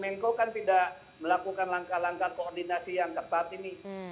menko kan tidak melakukan langkah langkah koordinasi yang ketat ini